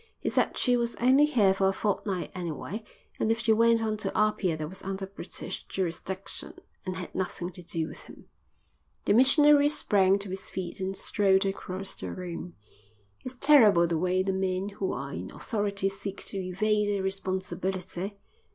He said she was only here for a fortnight anyway, and if she went on to Apia that was under British jurisdiction and had nothing to do with him." The missionary sprang to his feet and strode across the room. "It's terrible the way the men who are in authority seek to evade their responsibility.